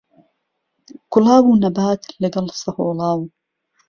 گوڵاو و نهبات له گهڵ سههۆڵاو